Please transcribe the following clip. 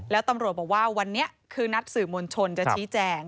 แล้วตำรวจบอกว่าวันนี้คือนัดสื่อมวลชนจะชี้แจง